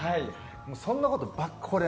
そんなことばっかり。